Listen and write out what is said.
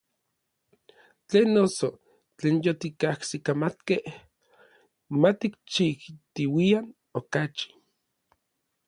Tlen noso, tlen yotikajsikamatkej, ma tikchijtiuian okachi.